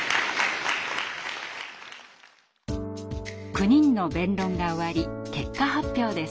９人の弁論が終わり結果発表です。